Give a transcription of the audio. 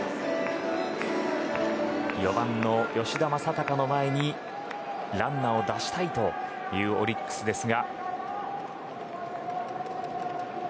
４番、吉田正尚の前にランナーを出したいオリックスです。